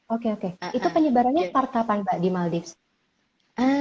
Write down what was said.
oke oke itu penyebarannya part tapan mbak di maldives